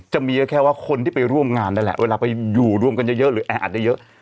จะมีก็แค่ว่าคนที่ไปร่วมงานนั่นแหละเวลาไปอยู่รวมกันเยอะหรือแออัดได้เยอะ